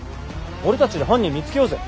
俺たちで犯人見つけようぜ。